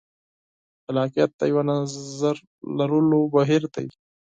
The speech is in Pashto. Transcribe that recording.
خلاقیت د یوه نظر لرلو بهیر دی.